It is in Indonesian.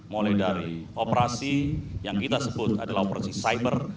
mulai dari operasi yang kita sebut adalah operasi cyber